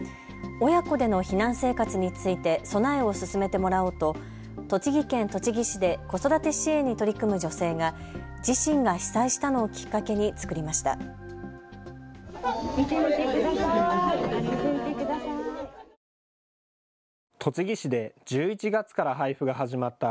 親子での避難生活について備えを進めてもらおうと栃木県栃木市で子育て支援に取り組む女性が自身が被災したのをきっかけに作りました。